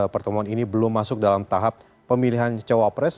pertemuan ini belum masuk dalam tahap pemilihan cawapres